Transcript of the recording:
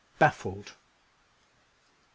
BAFFLED. Mr.